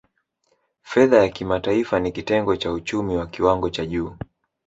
Fedha ya kimataifa ni kitengo cha uchumi wa kiwango cha juu